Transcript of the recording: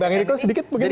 bang enrico sedikit begitu